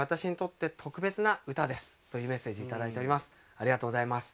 ありがとうございます。